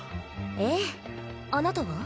ええあなたは？